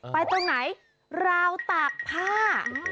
ตรงไหนราวตากผ้า